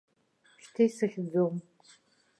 Шьҭа исыхьӡом.